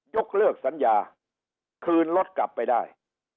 ยกเลิกสัญญาคืนรถกลับไปได้